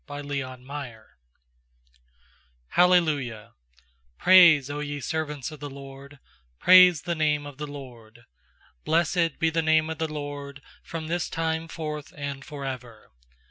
_L ci praise^ Q ye servants of the LORD, Praise the name of the LORD. ^Blessed be the name of the LORD From this time forth and for ever.